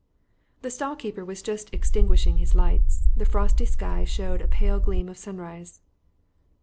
The stall keeper was just extinguishing his lights; the frosty sky showed a pale gleam of sunrise.